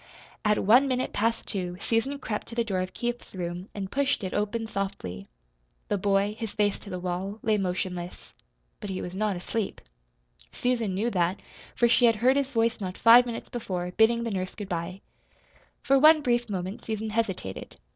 At one minute past two Susan crept to the door of Keith's room and pushed it open softly. The boy, his face to the wall, lay motionless. But he was not asleep. Susan knew that, for she had heard his voice not five minutes before, bidding the nurse good bye. For one brief moment Susan hesitated.